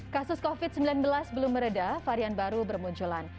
kasus covid sembilan belas belum meredah varian baru bermunculan